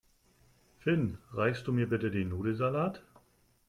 Finn, reichst du mir bitte den Nudelsalat?